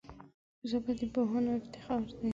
ژبه د پوهانو افتخار دی